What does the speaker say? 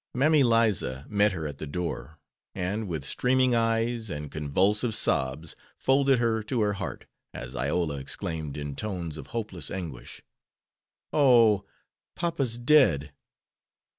Mammy Liza met her at the door, and, with streaming eyes and convulsive sobs, folded her to her heart, as Iola exclaimed, in tones of hopeless anguish: "Oh, papa's dead!"